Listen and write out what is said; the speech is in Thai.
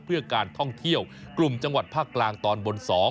เพื่อการท่องเที่ยวกลุ่มจังหวัดภาคกลางตอนบน๒